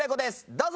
どうぞ。